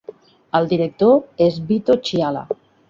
El director és Vito Chiala.